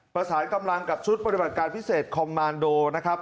ประสานกำลังกับชุดปฏิบัติการพิเศษคอมมานโดนะครับ